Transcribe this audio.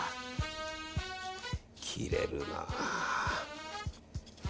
切れるな。